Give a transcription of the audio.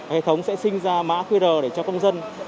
hệ thống sẽ sinh ra mã qr để cho công dân